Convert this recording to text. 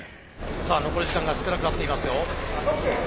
さあ残り時間が少なくなっていますよ。